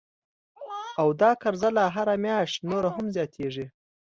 او دا قرضه لا هره میاشت نوره هم زیاتیږي